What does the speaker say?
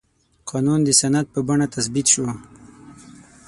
قانون د سند په بڼه تثبیت شو.